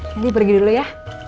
nanti pergi dulu ya